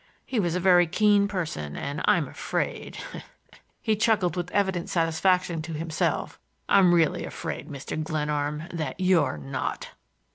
He was a very keen person, and, I'm afraid,"—he chuckled with evident satisfaction to himself,—"I'm really afraid, Mr. Glenarm, that you're not!"